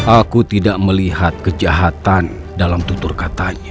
aku tidak melihat kejahatan dalam tutur katanya